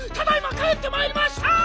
かえってまいりました！